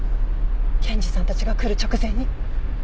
検事さんたちが来る直前に。